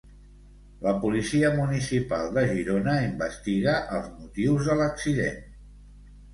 La Policia Municipal de Girona investiga els motius de l'accident.